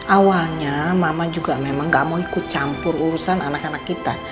awalnya mama juga memang gak mau ikut campur urusan anak anak kita